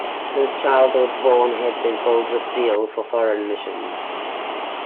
Since childhood, Vaughan had been filled with zeal for foreign missions.